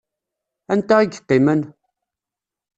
Anta i yeqqimen?